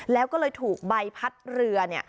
แล้วก็เลยถูกใบพัดเรือ